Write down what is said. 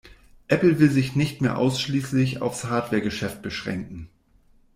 Apple will sich nicht mehr ausschließlich auf's Hardware-Geschäft beschränken.